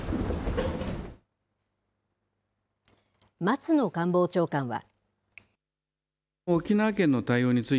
松野官房長官は。